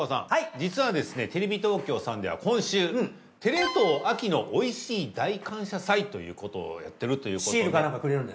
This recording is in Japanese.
実はですねテレビ東京さんでは今週「テレ東秋のおいしい大感謝祭」ということをやってるということで。